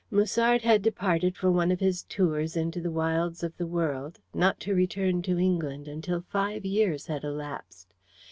Musard had departed for one of his tours into the wilds of the world, not to return to England until five years had elapsed.